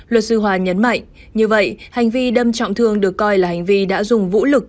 luật sư hòa nhấn mạnh như vậy hành vi đâm trọng thương được coi là hành vi đã dùng vũ lực